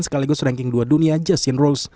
sekaligus ranking dua dunia justin rose